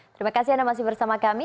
terima kasih anda masih bersama kami